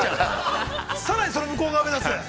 さらにその向こう側を目指す。